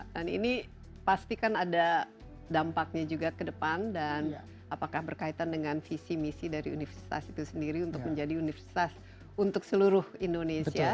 dan ini pastikan ada dampaknya juga ke depan dan apakah berkaitan dengan visi misi dari universitas itu sendiri untuk menjadi universitas untuk seluruh indonesia